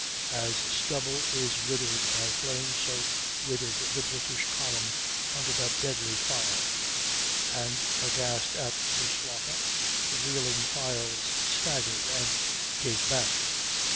As stubble is withered by flame, so withered the British column under that deadly fire; and, aghast at the slaughter, the reeling files staggered and gave back.